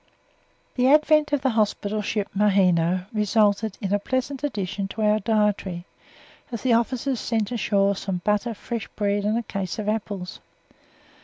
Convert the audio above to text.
The advent of the hospital ship Maheno resulted in a pleasant addition to our dietary, as the officers sent ashore some butter, fresh bread and a case of apples.